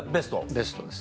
ベストです。